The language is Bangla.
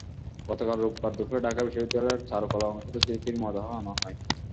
গতকাল রোববার দুপুরে ঢাকা বিশ্ববিদ্যালয়ের চারুকলা অনুষদে শিল্পীর মরদেহ আনা হয়।